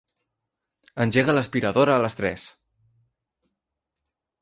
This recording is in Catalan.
Engega l'aspiradora a les tres.